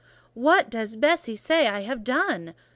"What does Bessie say I have done?"